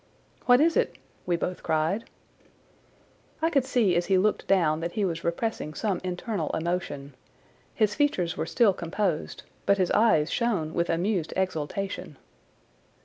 "What is it?" we both cried. I could see as he looked down that he was repressing some internal emotion. His features were still composed, but his eyes shone with amused exultation.